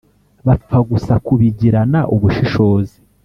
bapfa gusa kubigirana ubushishozi